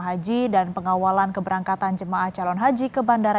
petugas gabungan juga menyiapkan pengamanan di asrama